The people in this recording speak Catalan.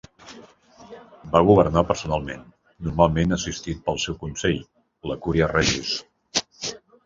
Va governar personalment, normalment assistit pel seu consell, la Curia Regis.